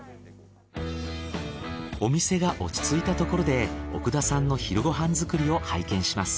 お店が落ち着いたところで奥田さんの昼ご飯作りを拝見します。